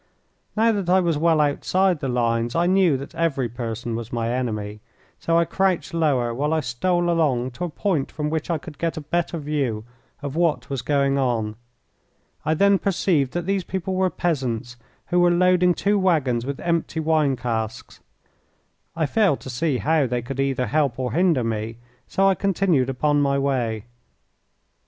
Now that I was well outside the lines I knew that every person was my enemy, so I crouched lower while I stole along to a point from which I could get a better view of what was going on. I then perceived that these people were peasants, who were loading two waggons with empty wine casks. I failed to see how they could either help or hinder me, so I continued upon my way.